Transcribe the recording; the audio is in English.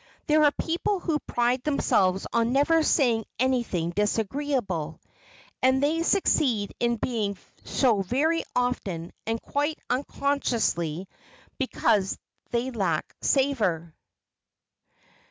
There are people who pride themselves on "never saying anything disagreeable" and they succeed in being so very often and quite unconsciously because they lack savor.